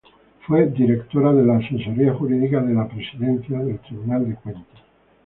Fue Directora de la Asesoría Jurídica de la Presidencia del Tribunal de Cuentas.